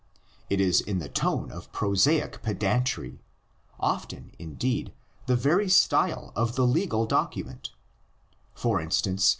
It is the tone of prosaic pedantry, often indeed the very style of the legal document (for instance xi.